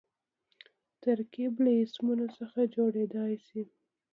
ترکیب له اسمونو څخه جوړېدای سي.